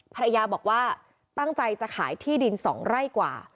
ภรรยาบอกว่าตั้งใจจะขายที่ดิน๒ไร่กว่า